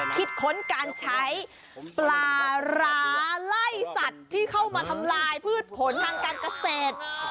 คิดค้นการใช้ปลาร้าไล่สัตว์ที่เข้ามาทำลายพืชผลทางการเกษตร